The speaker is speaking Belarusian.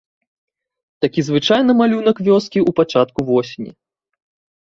Такі звычайна малюнак вёскі ў пачатку восені.